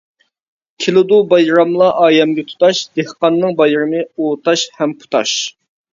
كېلىدۇ بايراملار ئايەمگە تۇتاش، دېھقاننىڭ بايرىمى «ئوتاش ھەم پۇتاش» .